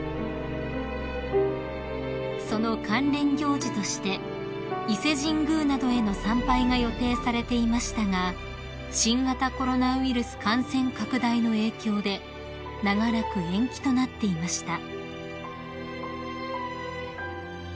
［その関連行事として伊勢神宮などへの参拝が予定されていましたが新型コロナウイルス感染拡大の影響で長らく延期となっていました］